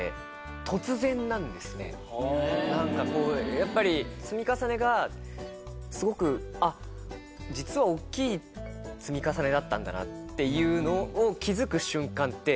何かこうやっぱり積み重ねがすごくあっ実は大っきい積み重ねだったんだなっていうのを気付く瞬間って